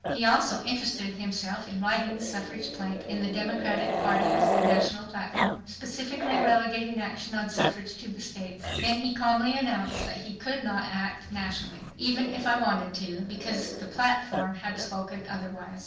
He also interested himself in writing the suffrage plank in the Democratic Party's national platform, specifically relegating action on suffrage to the states. Then he calmly announced that he could not act nationally, "even if I wanted to," because the platform had spoken otherwise.